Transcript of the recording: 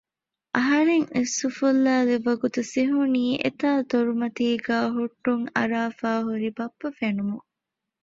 އަހަރެން އިސް އުފުލާލިވަގުތު ސިހުނީ އެތާ ދޮރުމަތީގައި ހުއްޓުން އަރާފައި ހުރި ބައްޕަ ފެނުމުން